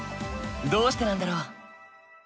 どうしてなんだろう？